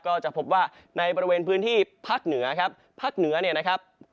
ก็จะพบว่าในบริเวณพื้นที่ภาคเหนือครับภาคเหนือเนี่ยนะครับ